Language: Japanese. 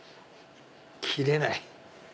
切れない。